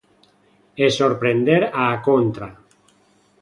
E sorprender á contra.